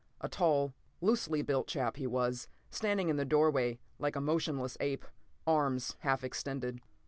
A tall, loosely built chap he was, standing in the doorway like a motionless ape, arms half extended.